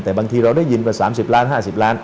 แต่บางทีเราได้ยินกว่า๓๐ล้าน๕๐ล้าน